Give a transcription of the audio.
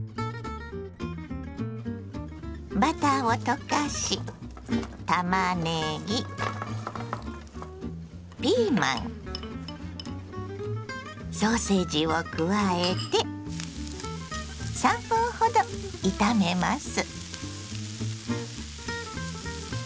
バターを溶かしたまねぎピーマンソーセージを加えて３分ほど炒めます。